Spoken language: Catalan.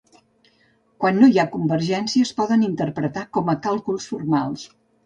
Quan no hi ha convergència es poden interpretar com a càlculs formals.